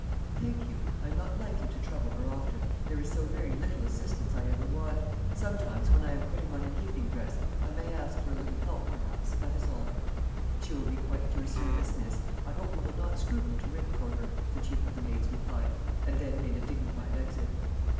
"Thank you I am not likely to trouble her often; there is so very little assistance I ever want. Sometimes, when I am putting on an evening dress, I may ask for a little help perhaps that is all." "She will be quite at your service, miss: I hope you will not scruple to ring for her," the chief of the maids replied, and then made a dignified exit.